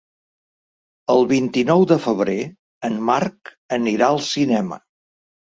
El vint-i-nou de febrer en Marc anirà al cinema.